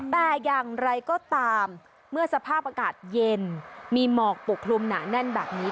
แต่อย่างไรก็ตามเมื่อสภาพอากาศเย็นมีหมอกปกคลุมหนาแน่นแบบนี้